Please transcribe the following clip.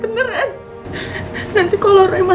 sekarang elsa minum obat ya